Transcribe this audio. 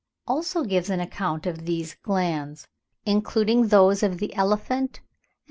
634) also gives an account of these glands, including those of the elephant, and (p.